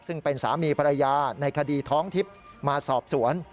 ซึ่งเป็นสามีภรรยาในคดีท้องทิพย์มาสอบสวน